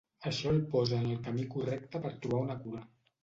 Això el posa en el camí correcte per trobar una cura.